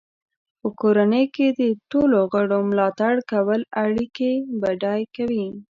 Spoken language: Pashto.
په کورنۍ کې د ټولو غړو ملاتړ کول اړیکې بډای کوي.